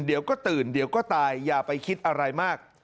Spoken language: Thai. เดี๋ยวก็ตื่นเดี๋ยวก็ตายอย่าไปคิดอะไรมาก